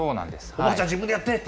おばあちゃん、自分でやってって。